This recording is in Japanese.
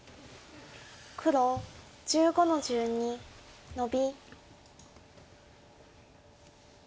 黒１５の十二ノビ。